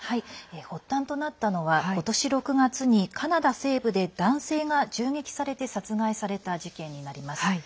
発端となったのは今年６月にカナダ西部で男性が銃撃されて殺害された事件になります。